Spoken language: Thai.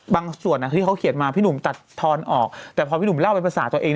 บางส่วนน่ะเขาเขียนมาพี่หนูตัดถอนออกแต่พอพี่หนูเล่าในภาษาตัวเอง